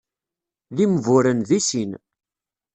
D imburen deg sin.